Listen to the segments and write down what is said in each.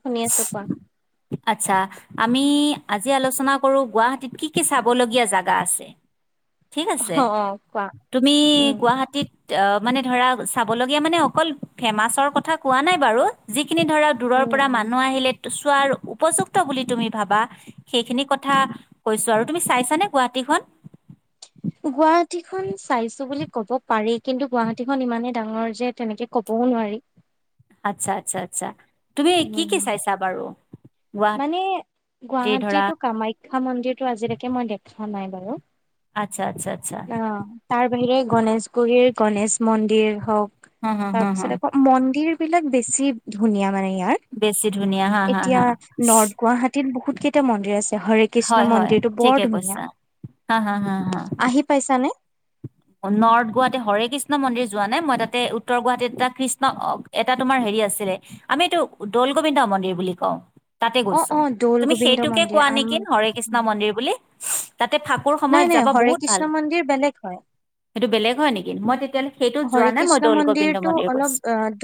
শুনি আছো কোৱা আচ্ছা আমি আজি আলোচনা কৰো গুৱাহাটীত কি কি চাবলগীয়া জাগা আছে। উ ঠিক আছে তুমি উম গুৱাহাটীত অ মানে ধৰা চাবলগীয়া মানে অকল ফেমাচৰ কথা কোৱা নাই বাৰু যি সেই খিনি ধৰক দূৰৰ উম পৰা উম মানুহ আহিলে চোৱাৰ উপযুক্ত বুলি তুমি ভাবা সেইখিনি কথা কৈছো আৰু তুমি চাইছানে গুৱাহাটীখন [inaudible] গুৱাহাটী খন চাইছো বুলি কব পাৰি কিন্তু গুৱাহাটীখন ইমানেই ডাঙৰ যে তেনেকে ক'ব নোৱাৰি আচ্ছা আচ্ছা আচ্ছা তুমি কি উম কি চাইছা বাৰু। গুৱাহাটীৰ মানে ধৰা গুৱাহাটীতো কামাখ্যা মন্দিৰটো আজিলৈকে মই দেখা নাই বাৰু আচ্ছা আচ্ছা আচ্ছা অ তাৰ বাহিৰে গণেশগুৰিৰ গণেশ মন্দিৰ হওক হা হা হা হা তাৰপিছত আকৌ মন্দিৰ বিলাক বেছি ধুনীয়া মানে। বেছি ধুনীয়া হা ইয়াৰ হা এতিয়া হা নৰ্থ গুৱাহাটীত বহুত কেইটা মন্দিৰ আছে হৰে কৃষ্ণ হয় হয় মন্দিৰটো বৰ ঠিকে ধুনীয়া কৈছা হা হা হা হা আহি পাইছানে নৰ্থ গুৱাহাটীৰ হৰে কৃষ্ণ মন্দিৰ যোৱা নাই মই তাতে উত্তৰ গুৱাহাটীত এটা কৃষ্ণ এটা তোমাৰ হেৰি আছে আছিলে আমি এইটো দৌল গোবিন্দ মন্দিৰ বুলি কওঁ। তাতে অ গৈছো অ দৌল তুমি গোবিন্দ সেইটোকে মন্দিৰ কোৱা আম নেকি হৰে কৃষ্ণ উম মন্দিৰ বুলি তাতে ফাকুৰ নাই সময়ত নাই যাব হৰে বহুত কৃষ্ণ ভাল মন্দিৰ বেলেগ হয়। সেইটো বেলেগ হয় নেকি মই তেতিয়া হ'লে হৰে কৃষ্ণ মন্দিৰটো অলপ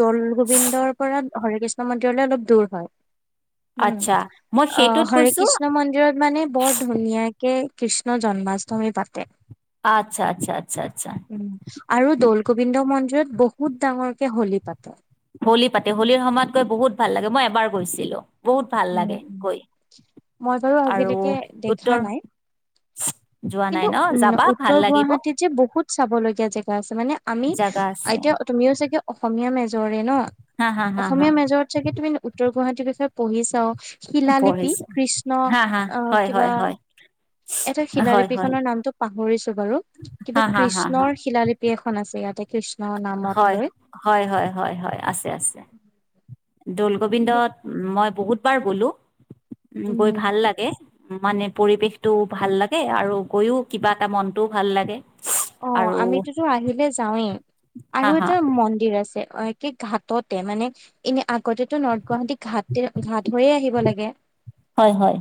দল গোবিন্দৰ পৰা হৰে কৃষ্ণ মন্দিৰলৈ অলপ দূৰ হয়। উম আচ্ছা মই অ সেইটোত হৰি গৈছো কৃষ্ণ মন্দিৰত মানে বৰ ধুনীয়াকে কৃষ্ণ জন্মাষ্টমী পাতে আচ্ছা আচ্ছা আচ্ছা আচ্ছা উ আৰু দল গোবিন্দ মন্দিৰত বহুত ডাঙৰ কে হলী পাত হলী পাতে হোলীৰ সময়ত গৈ বহুত ভাল লাগে মই এবাৰ গৈছিলো। বহুত ভাল উম লাগে উম। গৈ মই বাৰু আৰু আজিলৈকে দেখা উত্তৰ নাই। যোৱা কিন্তু নাই ন উ যাবা ভাল উত্তৰ লাগিব গুৱাহাটীত যে বহুত চাব লগীয়া জেগা আছে মানে আমি জাগা আছে এতিয়া তুমিও চাগে অসমীয়া মে জৰে ন হা হা হা হা অসমীয়া মেজৰত চাগে তুমি উত্তৰ গুৱাহাটীৰ বিষয়ে পঢ়ি চাও শিলালিপি পঢ়িছো কৃষ্ণ হা হা অহ হয় হয় কিবা হয় এটা হয় হয় শিলালিপিখনৰ নামটো পাহৰিছো বাৰু হা কিবা হা হা হা কৃষ্ণৰ শিলালিপি এখন আছে ইয়াত। হয় হয় হয় হয় হয় আছে আছে। দৌল গোবিন্দত মই বহুতবাৰ গ'লো গৈ উম ভাল লাগে। মানে পৰিৱেশটো ভাল লাগে আৰু গৈও কিবা এটা মনটোও ভাল লাগে অ আৰু আমিতোতো আহিলে যাওঁৱেই হা আৰু হা এটা মন্দিৰ আ আছে অ কি ঘাটতে মানে এনে আগতেতো নৰ্থ গুৱাহাটীত ঘাট হৈয়ে আহিব লাগে। হয় হয়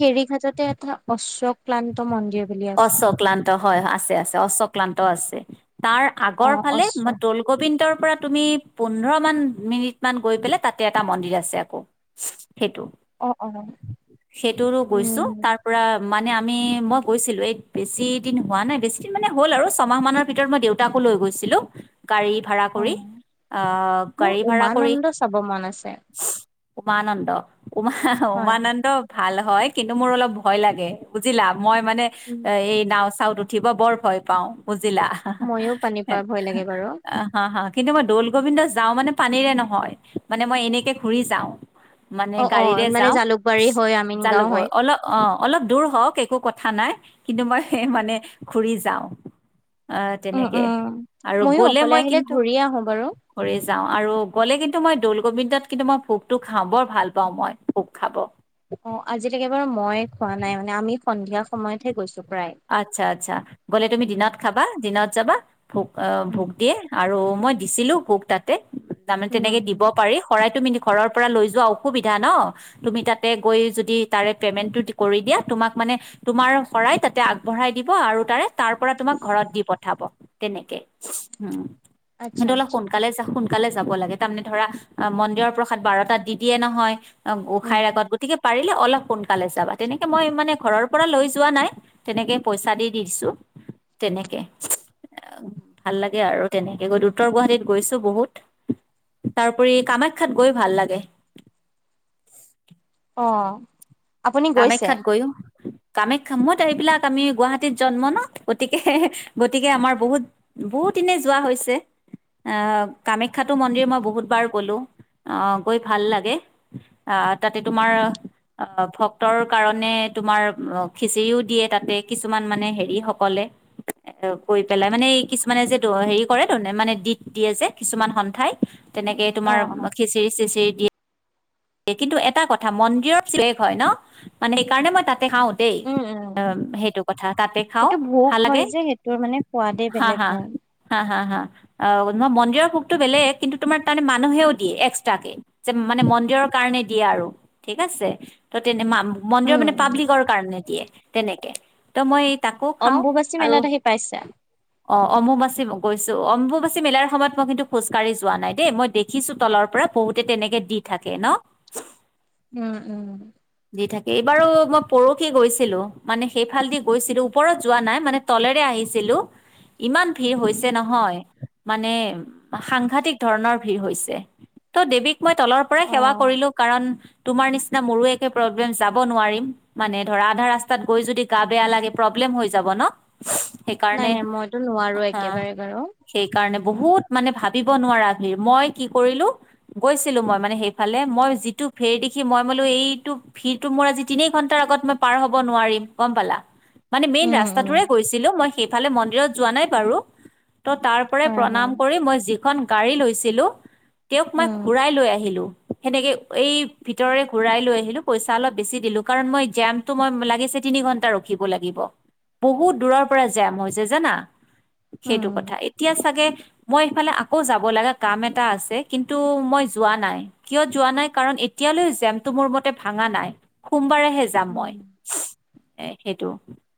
হেৰীঘাটতে এটা অশ্ব, ক্লান্ত মন্দিৰ বুলি আছে অশক্লান্ত হয় আছে আছে অশক্লান্ত আছে। তাৰ অ আগৰ ফালে অশ্ব আমাৰ দলগোবিন্দৰ পৰা তুমি পোন্ধৰ মান মিনিট মান গৈ পেলাই তাতে এটা মন্দিৰ আছে আকৌ। সেইটো অ অ সেইটোৰো গৈছো উম তাৰ পৰা মানে আমি মই গৈছিলো এই বেছি দিন হোৱা নাই বেছি দিন মানে হ'ল আৰু ছমাহ মানৰ ভিতৰত মই দেউতাকো লৈ গৈছিলো। গাড়ী ভাড়া কৰি অ আহ মোৰ গাড়ী ভাড়া কৰি- উমানন্দ চাব মন আছে উমানন্দ উম হয়। উমানন্দ। ভাল হয় কিন্তু মোৰ অলপ ভয় লাগে বুজিলা মই মানে এ এই নাও চাত- উঠিব বৰ ভয় পাওঁ বুজিলা ময়ো পানী পাৰ ভয় লাগে বাৰু হা হা। কিন্তু মই দৌল, গোবিন্দ যাওঁ মানে পানীৰে নহয় মানে মই এনেকে ঘূৰি যাওঁ। মানে অ', অ', গাড়ীৰে মানে যাও জালুকবাৰী হৈ আমিন গাঁও যালগৈ হয়। অলপ অ অলপ দূৰ হওঁক একো কথা- নাই। কিন্তু মই মানে ঘুৰি যাওঁ অ উম, তেনেকে উম, আৰু ময়ো গলে অকলে মই আহিলে কিন্তু ঘূৰিয়ে আহো বাৰু কৰি যাওঁ আৰু গ'লে কিন্তু মই দল। গবিন্দত কিন্তু মই ভোকটো খাওঁ বৰ ভাল পাওঁ মই ভোক খাব। অ আজিলৈকে বাৰু মই খোৱা নাই মানে আমি সন্ধিয়া সময়তহে গৈছো। প্ৰায়। আচ্ছা আচ্ছা গ'লে তুমি উম, দিনত খাবা দিনত যাবা ভোক অ ভোক দিয়ে। আৰু মই দিছিলোঁ ভোক তাতে তাৰমানে তেনেকে দিব উম, পাৰি শৰাইত। তুমি ঘৰৰ পৰা লৈ যোৱা অসুবিধা ন তুমি তাতে গৈ যদি তাৰে পেইমেণ্ট টো কৰি দিয়া। তোমাক মানে তোমাৰ শৰাইত, - আগবঢ়াই দিব আৰু তাৰে তাৰ পৰা তোমাক ঘৰত দি পঠাব তেনেকে উম,। আচ্ছা, সেইটো অলপ আচ্ছা, সোনকালে যা সকালে যাব লাগে তাৰমানে ধৰা মন্দিৰৰ প্ৰসাদ বাৰটাত দি দিয়ে নহয়। অ উম, গোঁসাইৰ আগত গতিকে পাৰিলে অলপ সোনকালে যাবা তেনেকে মই মানে ঘৰৰ পৰা লৈ যোৱা নাই। তেনেকৈ পইচা দি দিছোঁ তেনেকে। ভাল লাগে আৰু তেনেকে গৈ উত্তৰ গুৱাহাটীত গৈছো বহুত- তাৰপৰি কামাখ্যাত গৈ ভাল লাগে। আহ কামাখ্যাত গৈয়ো। কামেখ্য খামত এইবিলাক আমি গুৱাহাটীত জন্ম ন গতিকে গতিকে আমাৰ বহুত- বহুত দিনে যোৱা হৈছে আহ কামাখ্যাটো মন্দিৰ মই বহুত বাৰ গ'লো। আহ গৈ ভাল লাগে আহ তাতে তোমাৰ আহ ভ ৰ কাৰণে তোমাৰ খিচিৰিও দিয়ে তাতে কিছুমান মানে হেৰি সকলে এ কৈ পেলাই মানে এই কিছুমানে যে হেৰি কৰে ত মানে দিত দিয়ে যে কিছুমান সন্থাই- তেনেকৈ তোমাৰ অ', অ'। খিচিৰি চিচিৰি দিয়ে। কিন্তু এটা কথা মন্দিৰৰ চেগ হয় ন মানে সেইকাৰণে মই তাতে খাওঁ দেই। উম, উম, উ সেইটো কথা তাতে খাও সেইটো ভোগ ভাল হয় লাগে যে সেইটোৰ মানে সোৱাদেই হা বেলেগ হা। হয়। হা হা হা মন্দিৰৰ ভোকতটো বেলেগ কিন্তু তোমাৰ তাৰমানে মানুহেও দিয়ে এক্সট্ৰাকে যে মানে মন্দিৰৰ কাৰণে দিয়ে আৰু ঠিক আছে ত তেনে মন্দিৰৰ উম, মানে পাব্লিকৰ কাৰণে দিয়ে তেনেকে ত মই। তাকো খাওঁ অম্বুবাচী আৰু মেলাত আহি পাইছা? অ অম্বুবাচী গৈছো। অম্বুবাচী মেলাৰ সময়ত মই কিন্তু খোজকাঢ়ি যোৱা নাই দেই মই দেখিছো তলৰ পৰা। বহুতে তেনেকে দি থাকে ন। উম উম। দি থাকে এইবাৰো মই পৰহি গৈছিলো মানে সেইফালদি গৈছিলো। ওপৰত যোৱা নাই মানে তলেৰে আহি ছিলো ইমান ভিৰ হৈছে উম, উম। নহয়। মানে সাংঘাতিক ধৰণৰ ভিৰ হৈছে ত' দেৱীক মই তলৰ পৰাই সেৱা অ'। কৰিলো কাৰণ তোমাৰ নিচিনা মোৰো এক প্ৰব্লেম যাব নোৱাৰিম মানে ধৰা আধা ৰাস্তাত গৈ যদি গা বেয়া লাগে প্ৰব্লেম হৈ যাব ন? নাই সেইকাৰণে নাই মইতো নোৱাৰো হা একেবাৰে বাৰু। সেইকাৰণে উম বহুত মানে ভাত দিব নোৱাৰা ভিৰ মই কি কৰিলো গৈছিলো মই মানে সেইফালে। মই যিটো ফেৰ দেখি মই বোলো এই ভিৰটো মোৰ আজি তিনি ঘন্টাৰ আগত মই পাৰ হব নোৱাৰিম গম পালা। মানে মেইন ৰাস্তাটোৰে উম গৈছিলো। মই সেইফালে মন্দিৰত যোৱা নাই বাৰু। তো তাৰ পৰাই হয় প্ৰণাম হয়। কৰি মই যিখন গাড়ী লৈছিলোঁ তেওঁক মই উম ঘূৰাই লৈ আহিলোঁ। সেনেকে এই ভিতৰৰে ঘুৰাই লৈ আহিলো। পইচা অলপ বেছি দিলো কাৰ ম জটো লাগ তিনি ঘন্টা ৰখিব লাগিব। বহুত দূৰৰ পৰা জেম হৈছে জানা সেইটো উম। কথা এতিয়া চাগে মই এইফালে আকৌ যাব লগা কাম এটা আছে কিন্তু মই যোৱা নাই কিয় যোৱা নাই কাৰণ। এতিয়ালৈ জেমটো মোৰ মতে ভাঙা নাই। সোমবাৰেহে যাম মই উম। এ সেইটো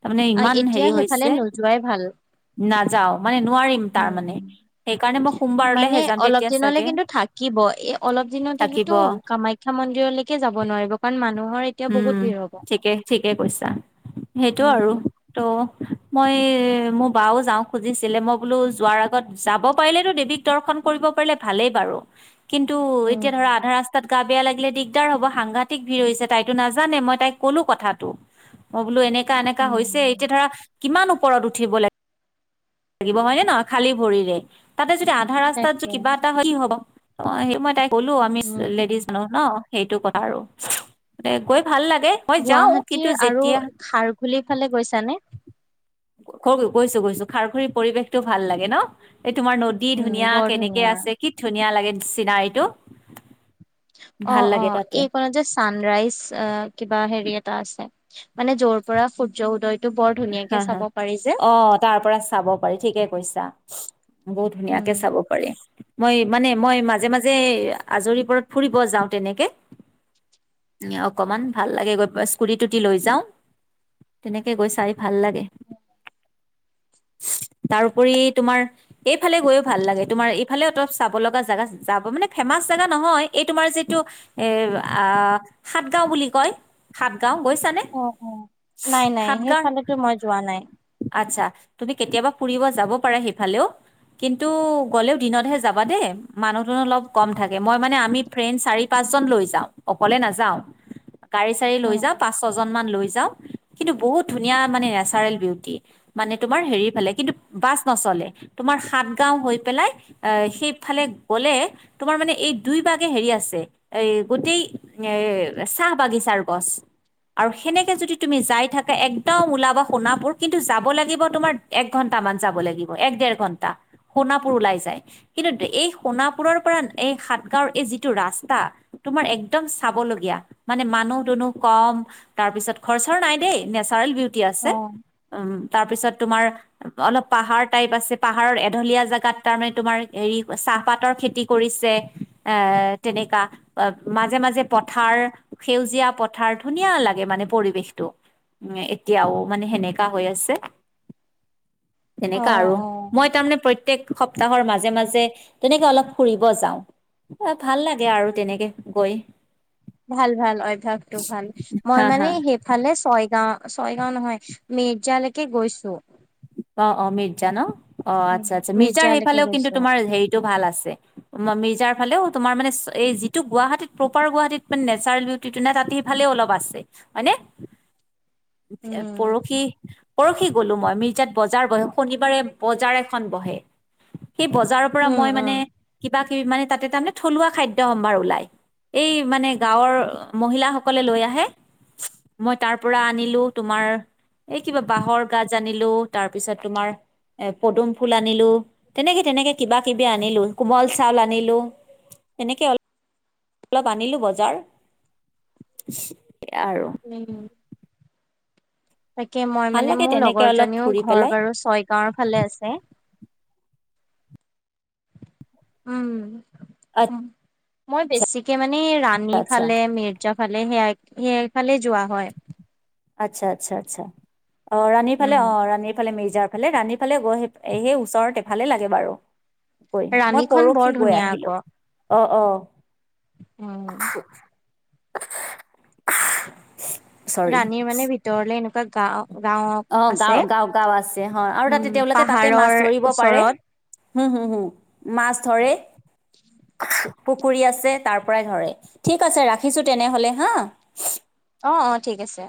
তাৰমানে ইমান এতিয়া হেৰি সেইফালে হৈছে নোযোৱাই ভাল। নাযাও। মানে নোৱাৰিম তাৰ উম মানে উম। সেইকাৰণে মই মানে সোমবাৰলৈহে যাম তেতিয়া চাগে। দিনত থাকিব গলেটো কামাখ্যা মন্দিৰলৈকে যাব নোৱাৰিব। কাৰণ ম উম ঠিকে ঠিকে কৈছা সেইটো উম আৰু ত'। মই মোৰ বাও যাওঁ খুজিছিলে। মই বোলো যোৱাৰ আগত যাব পাৰিলেতো দেৱীক দৰ্শন কৰিব পাৰে ভালেই বাৰু। কিন্তু উম এতিয়া ধৰা আধা ৰাস্তাত গা বেয়া লাগিলে দিগদাৰ হ'ব সাংঘাতিক ভিৰ হৈছে। তাইতো নাজানে মই তাইক কলো কথাটো মই বোলো এনেকা এনেকা হৈছে। এতিয়া উম। ধৰা কিমান ওপৰত উঠিব লাগে। লাগিব হয়নে নহয়? খালী ভৰিৰে তাতে যদি আধা ৰাস্তাত যদি তাকে। কিবা এটা হয় কি হব। অ সেই মই তাই ক'লো আমি উম উম। লেডিজ জানো ন সেইটো কথা আৰু ত গৈ ভাল লাগে মই যাও কিন্তু গুৱাহাটীৰ আৰু যেতিয়া খাৰঘুলিৰ ফালে গৈছানে? গৈছো গৈছো খাৰখৰীৰ পৰিৱেশটো ভাল লাগে ন? এই তোমাৰ নদী উম ধুনীয়া বৰ কেনেকে ধুনীয়া। আছে কি ধুনীয়া লাগে চিনাৰীটো। অ ভাল অ লাগে তাতে এই কত যে ছানৰাইজ আহ কিবা হেৰি এটা আছে। মানে যৰ পৰা সূৰ্য উদয়। হা হা অ তাৰ পৰা চাব পাৰি ঠিকে কৈছা। বহুত ধুনীয়াকে উম চাব পাৰি। মই মানে মই মাজে মাজে আজৰি পৰত ফুৰিব যাওঁ তেনেকে অকমান ভাল লাগে গৈ স্কুৰি তি লৈ যাও তেনেকে গৈ চাই। ভাল লাগে। [inaudible] তাৰোপৰি তোমাৰ এইফালে গৈও ভাল লাগে। তোমাৰ এইফালে অলপ চাব লগা জেগা যাব মানে ফেমাচ চেভেন নহয়। এই তোমাৰ যিটো এ সাতগাও বুলি কয়। গাও গৈছ নে, সাতগাঁও টো মই যোৱা নাই। আছা তুমি কেতিয়াবা ফুৰিব যাব পাৰা সেইফালেও। কিন্তু গ'লেও দিনতহে যাবা দেই। মানুহটো অলপ কম থাকে মই মানে আমি ফ্ৰেণ্ড চাৰি পাঁচ পাঁচ জন লৈ যাওঁ অকলে নাযাও গাড়ী চাড় লৈ উম যাওঁ পচ ছয়জন মান লৈ যাওঁ। কিন্তু বহুত ধুনীয়া মানে নেচাৰেল বিউটি। মানে তোমাৰ হেৰিফালে। কিন্তু বাচ নচলে। তোমাৰ হাত গাওঁ হৈ পেলাই আহ সেইফালে গলে তোমাৰ মানে এই দুই বাগে হেৰি আছে এ গোটেই এ চাহ বাগিচাৰ গছ আৰু সেনেকে যদি তুমি যাই থাকা এক। ত ওলাব সোণাপুৰ কিন্তু যাব লাগিব তোমাৰ এক ঘণ্টা মান যাব লাগিব এক ডেৰ ঘণ্টা সোণাপুৰ ওলাই যায়। কিন্তু এই সোণাপুৰৰ পৰা এই সাতগাঁওৰ এই যিটো ৰাস্তা তোমাৰ একদম চাবলগীয়া মানে মানুহ দুনুহ কম তাৰপিছত খৰচৰ নাই দেই নেচ চাৰল বিউটি আছে অ উ তাৰপিছত তোমাৰ অলপ পাহাৰ টাইপ আছে পাহাৰৰ এঢলীয়া জোগাত তাৰমানে তোমাৰ হেৰি চা পাতৰ খেতি কৰিছে। এই তেনেকা। মাজে মাজে পথাৰ সেউজীয়া পথাৰ ধুনীয়া লাগে মানে পৰিৱেশটো। উ এতিয়াও মানে সেনেকা হৈ আছে। অ তেনেকা আৰু মই তাৰমানে প্ৰত। প্ৰত্যেক সপ্তাহৰ মাজে মাজে তেনেকে অলপ ফুৰিব যাওঁ। অ ভাল লাগে আৰু তেনেকে গৈ। ভাল ভাল অভ্যায়াসতটো ভাল মই হা মানে হা সেইফালে ছয়গাঁও। ছয়গাঁও নহয় মিৰ্জালৈকে গৈছো। অ অ মিৰ্জা ন অ উম আচ্ছা আচ্ছা মিৰ্জাৰ মিৰ্জালৈকে সেইফালেও কিন্তু গৈছো তোমাৰ হেৰিতটো ভাল আছে। মি যাৰ ফালেও তোমাৰ মানে এই যিটো গুৱাহাটীত প্ৰপাৰ গুৱাহাটীত মানে নেচাৰেল বিউটিটো নে তাত সেই ফালেও ওলোৱা বাট আছে। হয়নে? [inaudible] উম পৰখি পৰখি‌ গলো মই মিৰ্জাত বজাৰ বহে শনিবাৰে বজাৰ এখন বহে। সেই বজাৰৰ পৰা উম মই মানে উম কিবা কিবি মানে তাতে তাৰমানে থলুৱা খাদ্যয় সম্ভাৰ ওলাই। এই মানে গাঁৱৰ মহিলাসকলে লৈ আহে। মই তাৰ পৰা আনিলো তোমাৰ এই কিবা বাহৰ গাজ আনিলো তাৰ পিছত তোমাৰ এ পদুম ফুল আনিলো তেনেকে তেনেকে কিবা কিবি আনিলো কোমল চাউল আনিলো। এনেকে অলপ অলপ আনিলো বজাৰ। আৰু উম তাকে মই ভাল মানে লাগে মোৰ তেনেকে লগৰ অলপ জনীও ফুৰি ঘৰ পেলাই বাৰু ছয় গাঁওৰ ফালে আছে। উম উম মই আচ্ছা বেছিকে মানে। এনেই ৰাণী আচ্ছা ফালে মিৰ্জা ফালে সেয়া সেইফালে যোৱা হয়। আচ্ছা আচ্ছা আচ্ছা। অ ৰাণীৰ ফালে উম, অ ৰাণীৰ ফালে মিৰ্জাৰ ফালে ৰাণী সফালে গৈ স সেই ওচৰত এফালে লাগে বাৰু। কৈ মই ৰাণীখন বৰ পৰহি গৈ আহিলো অ অ। অ চৰি ৰাণীৰ মানে ভিতৰলে এনেকুৱা গাওঁ অ গাঁও, গাঁও, গাঁও আছে অ আৰু উম তাতে তেওঁলোকে তাতে মাছ পাহাৰৰ ধৰিব পাৰে। ওচৰত হম হুম হুম মাছ ধৰে। উ [inaudible] পুখুৰী আছে তাৰ পৰাই ধৰে। ঠিক আছে ৰাখিছো তেনেহলে হা। অ অ ঠিক আছে।